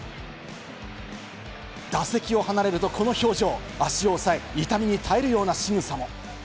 打席を離れるとこの表情、足を押さえ、痛みに耐えるようなしぐさも。